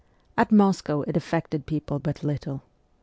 At Moscow it affected people but little.